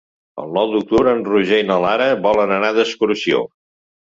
El nou d'octubre en Roger i na Lara volen anar d'excursió.